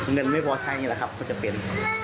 เงินไม่พอใช้นี่แหละครับก็จะเป็น